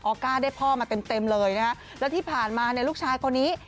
ก้าได้พ่อมาเต็มเต็มเลยนะคะแล้วที่ผ่านมาเนี่ยลูกชายคนนี้